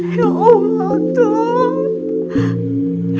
ya allah tunt